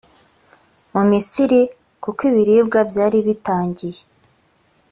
mu misiri kuko ibiribwa byari bitangiye